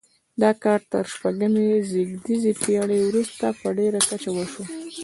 دا کار تر شپږمې زېږدیزې پیړۍ وروسته په ډیره کچه وشو.